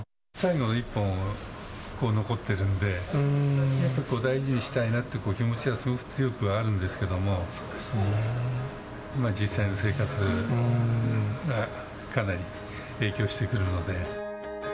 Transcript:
最後の１本残っているので、大事にしたいなという気持ちはすごく強くあるんですけど、実際の生活にかなり影響してくるので。